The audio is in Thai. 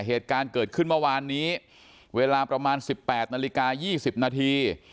เหตุการณ์เกิดขึ้นเมื่อวานนี้เวลาประมาณ๑๘นาฬิกา๒๐นาที